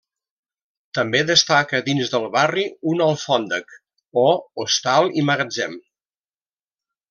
També destaca dins del barri un alfòndec, o hostal i magatzem.